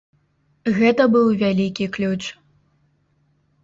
Гэта быў вялікі ключ.